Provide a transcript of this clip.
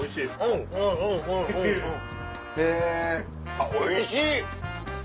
あっおいしい！